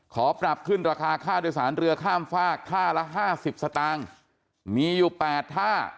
ขอปรับขึ้นราคาค่าโดยสารเรือข้ามฝากท่าละห้าสิบสตางค์มีอยู่๘ท่า